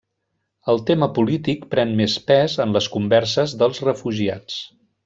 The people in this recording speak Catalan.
El tema polític pren més pes en les converses dels refugiats.